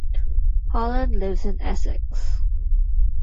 Holland lives in Essex.